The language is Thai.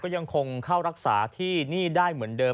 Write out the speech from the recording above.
ยังคงเข้ารักษาที่นี่ได้เหมือนเดิม